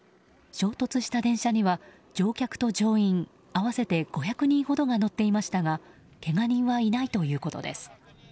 衝突した電車には乗客と乗員合わせて５００人ほどが乗っていましたがけが人はいないということです。